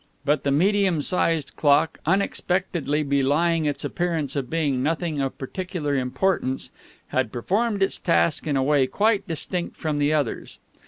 But the medium sized clock, unexpectedly belying its appearance of being nothing of particular importance, had performed its task in a way quite distinct from the others.